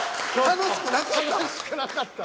楽しくなかった。